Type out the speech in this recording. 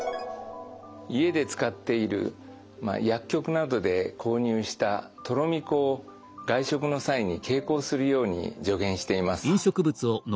家で使っている薬局などで購入したとろみ粉を外食の際に携行するように助言しています。